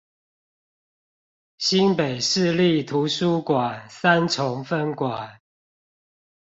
新北市立圖書館三重分館